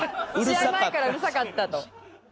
試合前からうるさかったと。